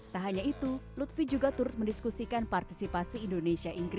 tak hanya itu lutfi juga turut mendiskusikan partisipasi indonesia